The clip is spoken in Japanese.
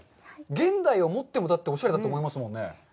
現代をもってもおしゃれだと思いますよね。